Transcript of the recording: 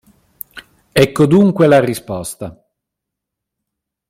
Ecco dunque la risposta.